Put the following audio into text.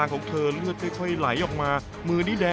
หรือหยุด